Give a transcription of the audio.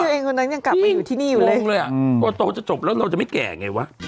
ตั้งแต่เองคนนั้นยังกลับมาอยู่ที่นี่อยู่เลยตรงเลยอะก็โตจะจบแล้วเราจะไม่แก่ไงวะ